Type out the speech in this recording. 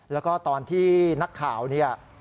แล้วก็ตอนที่นักข่าวเนี่ย